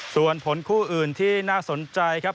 ส่วนผลคู่อื่นที่น่าสนใจครับ